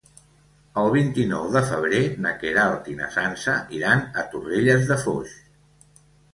El vint-i-nou de febrer na Queralt i na Sança iran a Torrelles de Foix.